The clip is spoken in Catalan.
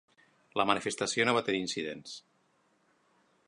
La manifestació no va tenir incidents